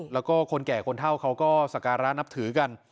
แล้วก็คนแก่คนเท่าเขาก็สการะนับถือกัน